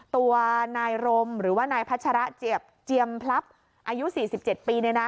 ตัวนายรมหรือว่านายพัชระเจ็บเจียมพลับอายุ๔๗ปี